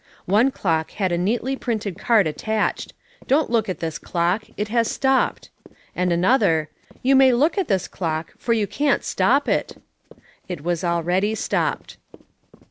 One clock had a neatly printed card attached, "Don't look at this clock it has stopped." And another, "You may look at this clock, for you can't stop it!" It was already stopped.